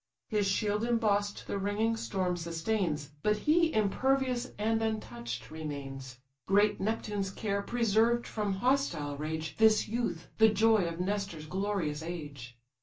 His shield emboss'd the ringing storm sustains, But he impervious and untouch'd remains. (Great Neptune's care preserved from hostile rage This youth, the joy of Nestor's glorious age.)